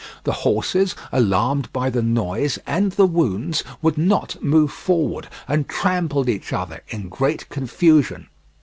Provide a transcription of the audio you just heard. The horses, alarmed by the noise and the wounds, would not move forward, and trampled each other in great confusion.